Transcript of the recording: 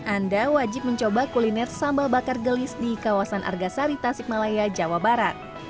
anda wajib mencoba kuliner sambal bakar gelis di kawasan argasari tasikmalaya jawa barat